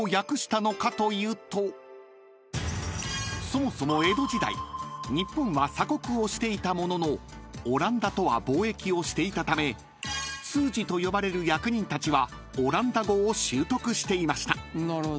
［そもそも江戸時代日本は鎖国をしていたもののオランダとは貿易をしていたため通詞と呼ばれる役人たちはオランダ語を習得していました］